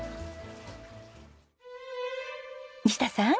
西田さん。